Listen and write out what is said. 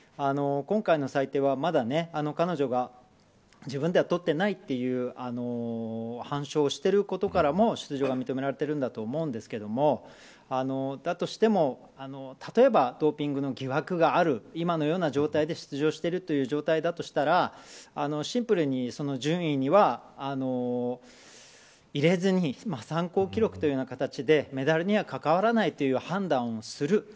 今回の裁定は、まだ彼女が自分では取っていないという反証をしていることからも出場が認められているんだと思うんですけどだとしても、例えばドーピング疑惑がある今のような状態で出場している状態だとしたらシンプルに順位には入れずに参考記録というような形でメダルには関わらないという判断をする。